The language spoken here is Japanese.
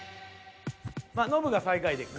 まあノブが最下位でいっか。